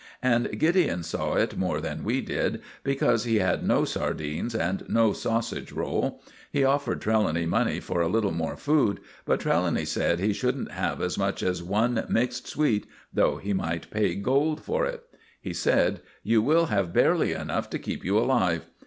And Gideon saw it more than we did, because he had no sardines and no sausage roll. He offered Trelawny money for a little more food, but Trelawny said he shouldn't have as much as one mixed sweet, though he might pay gold for it. He said, "You will have barely enough to keep you alive."